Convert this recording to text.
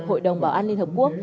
hội đồng bảo an liên hợp quốc